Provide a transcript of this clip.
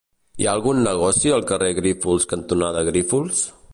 Hi ha algun negoci al carrer Grífols cantonada Grífols?